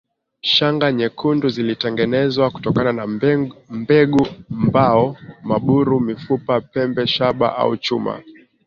Shanga nyekundu zilitengenezwa kutokana na mbegu mbao maburu mifupa pembe shaba au chuma